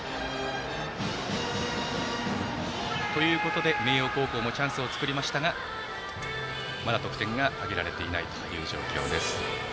ということで明桜高校もチャンスを作りましたがまだ得点が挙げられていない状況です。